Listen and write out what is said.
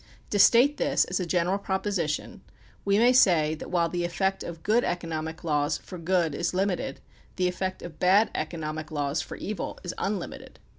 To state this as a general proposi tion, we may say that while the effect of good economic laws for good is limited, the effect of bad economic laws for evil is unlimited.